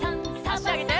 あしあげて。